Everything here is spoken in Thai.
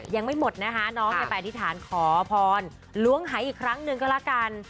ยังไม่หมดนะคะน้องไปอธิษฐานขอพรล้วงหายอีกครั้งหนึ่งก็แล้วกัน